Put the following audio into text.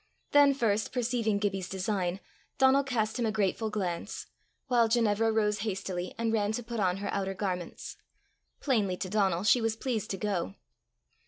Then first perceiving Gibbie's design, Donal cast him a grateful glance, while Ginevra rose hastily, and ran to put on her outer garments. Plainly to Donal, she was pleased to go.